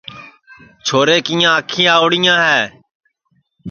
چھورے کِیاں آنکھیں آؤڑِیاں ہے